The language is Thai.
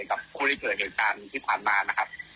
กับผู้ที่เกิดเหตุการณ์ที่ผ่านมานะครับ